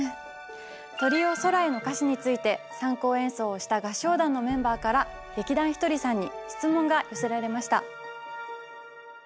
「鳥よ空へ」の歌詞について参考演奏をした合唱団のメンバーから劇団ひとりさんに質問が寄せられました。